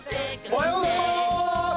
おはようございます